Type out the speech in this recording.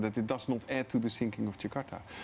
agar tidak menambahkan kegagalan jakarta